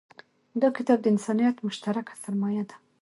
دا کتاب د انسانیت مشترکه سرمایه ده.